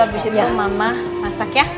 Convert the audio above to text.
habis itu mama masak ya